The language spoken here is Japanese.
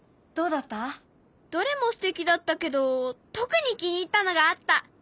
どれもすてきだったけど特に気に入ったのがあった！